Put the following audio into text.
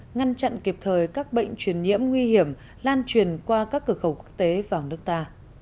ngăn chặn kịp thời các bệnh truyền nhiễm nguy hiểm lan truyền qua các cửa khẩu quốc tế vào nước ta